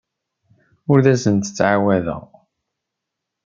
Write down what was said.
Ur asen-d-ttɛawadeɣ.